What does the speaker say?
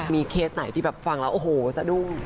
มีเกษมนต์ไหนที่ฟังแล้วโอโหสดุง